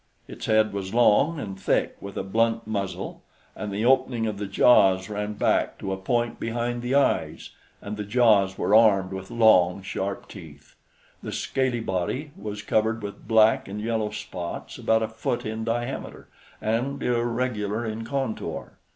Its head was long and thick, with a blunt muzzle, and the opening of the jaws ran back to a point behind the eyes, and the jaws were armed with long sharp teeth. The scaly body was covered with black and yellow spots about a foot in diameter and irregular in contour.